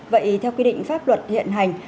vậy theo quy định pháp luật hiện hành